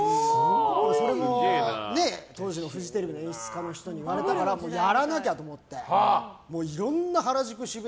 それも当時のフジテレビの演出家の方に言われたからやらなきゃって思っていろんな原宿、渋谷